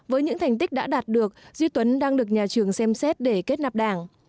với những thành tích đã đạt được duy tuấn đang được nhà trường xem xét để kết nạp đảng